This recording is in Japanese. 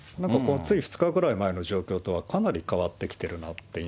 つい２日ぐらい前の状況とはかなり変わってきているなっていう